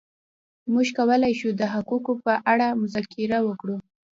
موږ کولای شو د حقوقو په اړه مذاکره وکړو.